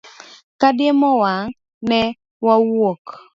Kadiemo wang', ne wawuok.